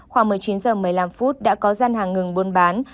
khoảng một mươi chín h một mươi năm phút đã có gian hàng ngừng buôn bán